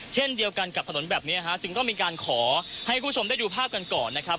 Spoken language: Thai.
เช่นเดียวกันกับถนนแบบนี้ฮะจึงต้องมีการขอให้คุณผู้ชมได้ดูภาพกันก่อนนะครับ